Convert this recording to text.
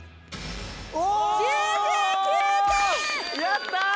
やったー！